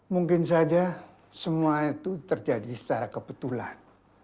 mungkin saja semua itu terjadi secara kebetulan